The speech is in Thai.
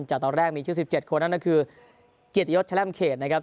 จากตอนแรกมีชื่อ๑๗คนนั่นก็คือเกียรติยศแลมเขตนะครับ